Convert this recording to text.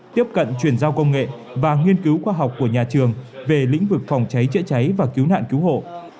tiếp cận truyền giao công nghệ và nghiên cứu khoa học của nhà trường về lĩnh vực phòng cháy chữa cháy và cứu nạn cứu hộ